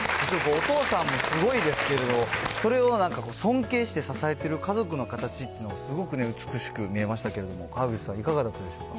お父さんもすごいですけど、それをなんか尊敬して支えてる家族の形っていうのがすごく美しく見えましたけれども、川口さん、いかがだったでしょうか。